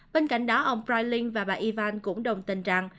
bên cạnh đó ông breitling và bà yvonne cũng đồng tình rằng